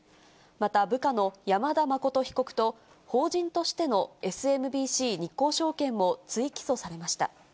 また、部下の山田誠被告と法人としてのＳＭＢＣ日興証券も追起訴されました。